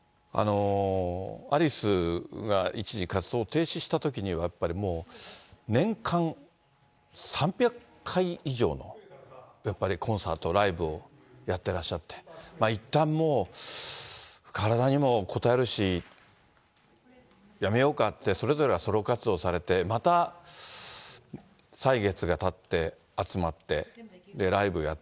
アリスが一時活動を停止したときには、やっぱりもう、年間３００回以上のやっぱりコンサート、ライブをやってらっしゃって、いったんもう、体にもこたえるし、やめようかって、それぞれがソロ活動をされて、また歳月がたって集まって、ライブやっ